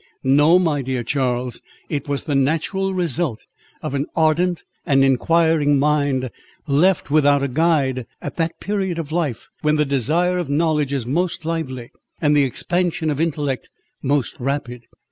"No, my dear Charles; it was the natural result of an ardent and inquiring mind, left without a guide, at that period of life when the desire of knowledge is most lively, and the expansion of intellect most rapid.